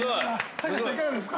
◆隆さん、いかがですか。